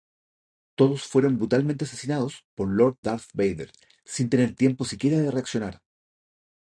Todos fueron brutalmente asesinados por Lord Darth Vader sin tener tiempo siquiera de reaccionar.